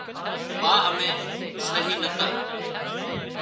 ٻا امين سهي نتا